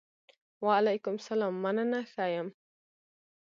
وعلیکم سلام! مننه ښۀ یم.